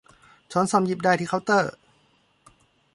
ช้อนส้อมหยิบได้ที่เคาน์เตอร์